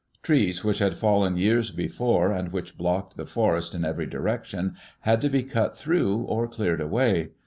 Trees which had fallen years before, and which blocked the forest in every direction, had to be cut through or cleared away.